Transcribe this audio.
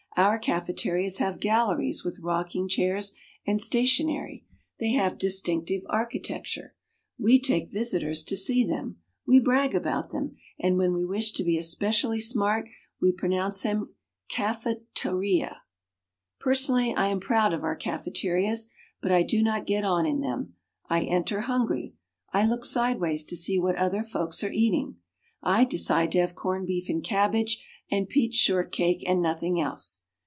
Our cafeterias have galleries with rocking chairs and stationery. They have distinctive architecture. We take visitors to see them. We brag about them, and when we wish to be especially smart we pronounce them caffa tuh ree ah. Personally, I am proud of our cafeterias, but I do not get on in them. I enter hungry. I look sideways to see what other folks are eating. I decide to have corned beef and cabbage and peach short cake and nothing else.